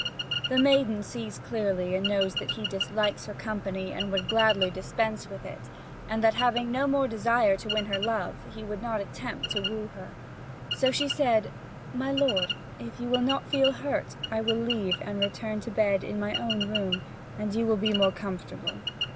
The maiden clearly sees and knows that he dislikes her company and would gladly dispense with it, and that, having no desire to win her love, he would not attempt to woo her. So she said: "My lord, if you will not feel hurt, I will leave and return to bed in my own room, and you will be more comfortable.